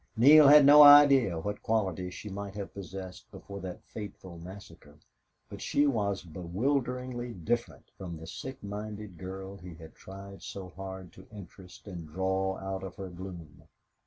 Neale had no idea what qualities she might have possessed before that fateful massacre, but she was bewilderingly different from the sick minded girl he had tried so hard to interest and draw out of her gloom.